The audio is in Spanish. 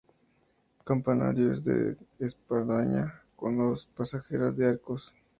El campanario es de espadaña con dos parejas de arcos.